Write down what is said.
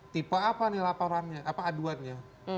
tipe apa nih laporannya apa aduannya